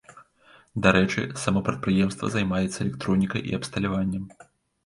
Дарэчы, само прадпрыемства займаецца электронікай і абсталяваннем.